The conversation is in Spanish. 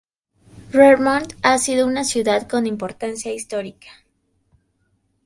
Roermond ha sido una ciudad con importancia histórica.